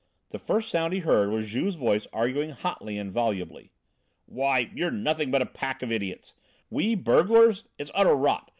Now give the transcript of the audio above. The first sound he heard was Juve's voice arguing hotly and volubly. "Why, you're nothing but a pack of idiots! We burglars! It's utter rot.